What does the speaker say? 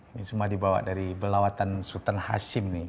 ini semua dibawa dari belawatan sultan hashim nih